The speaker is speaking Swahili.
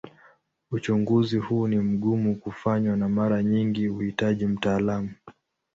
Uchunguzi huu ni mgumu kufanywa na mara nyingi huhitaji mtaalamu.